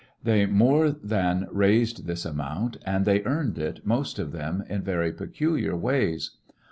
They more than raised this amount, and they earned it, most of them, in very peculiar ways.